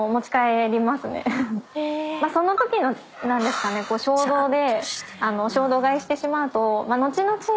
そのときのなんですかね衝動で衝動買いしてしまうとのちのち